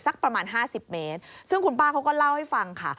สักประมาณ๕๐เมตรซึ่งคุณป้าเขาก็เล่าให้ฟังค่ะ